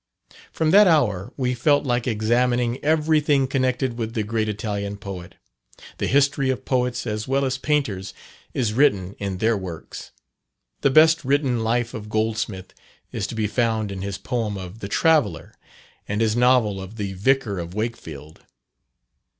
From that hour we felt like examining everything connected with the great Italian poet. The history of poets, as well as painters, is written in their works. The best written life of Goldsmith is to be found in his poem of "The Traveller," and his novel of "The Vicar of Wakefield."